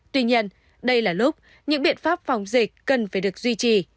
tuy nhiên đây là lúc những biện pháp phòng dịch cần phải được duy trì